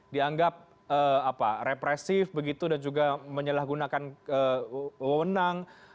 dianggap represif begitu dan juga menyelahgunakan kewenang